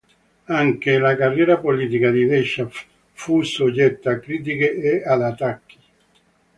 Anche la carriera politica di Desha fu soggetta a critiche e ad attacchi.